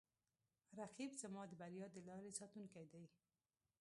رقیب زما د بریا د لارې ساتونکی دی